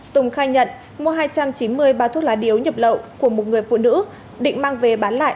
tùng khai nhận mua hai trăm chín mươi bao thuốc lá điếu nhập lậu của một người phụ nữ định mang về bán lại